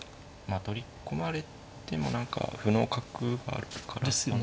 取り込まれても何か歩の角があるから。ですよね。